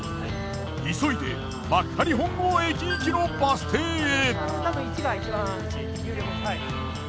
急いで幕張本郷駅行きのバス停へ。